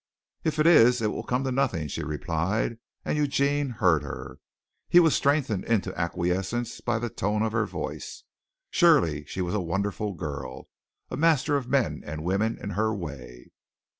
"If it is, it will come to nothing," she replied, and Eugene heard her. He was strengthened into acquiescence by the tone of her voice. Surely she was a wonderful girl a master of men and women in her way.